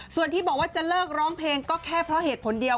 ส่วนที่บอกว่าจะเลิกร้องเพลงก็แค่เพราะเหตุผลเดียว